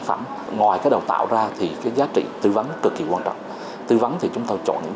phẩm ngoài cái đào tạo ra thì cái giá trị tư vấn cực kỳ quan trọng tư vấn thì chúng tôi chọn những